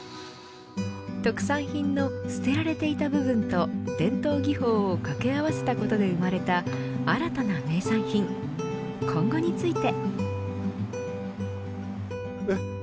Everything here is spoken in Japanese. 特産品の捨てられていた部分と伝統技法を掛け合わせたことで生まれた新たな名産品今後について。